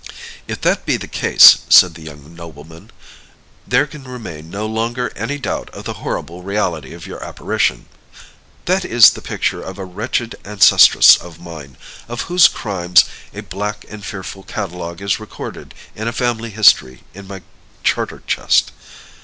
"If that be the case," said the young nobleman, "there can remain no longer any doubt of the horrible reality of your apparition. That is the picture of a wretched ancestress of mine, of whose crimes a black and fearful catalogue is recorded in a family history in my charter chest.